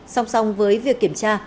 song song với việc kiểm tra